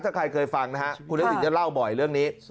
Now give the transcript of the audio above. ถ้าใครเคยฟังนะฮะคุณทักษิณจะเล่าบ่อยเรื่องนี้